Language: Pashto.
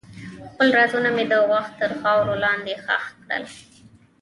خپل رازونه مې د وخت تر خاورو لاندې ښخ کړل.